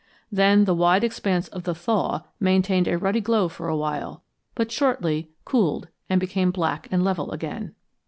Then the wide expanse of the 'thaw' maintained a ruddy glow for a while, but shortly cooled and became black and level again.